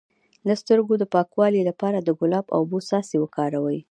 د سترګو د پاکوالي لپاره د ګلاب او اوبو څاڅکي وکاروئ